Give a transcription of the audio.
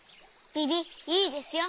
ビビいいですよ。